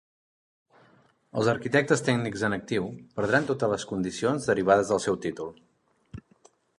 Els arquitectes tècnics en actiu perdran totes les condicions derivades del seu títol.